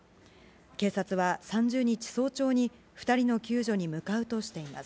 警察は、３０日早朝に２人の救助に向かうとしています。